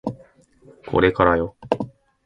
これからよ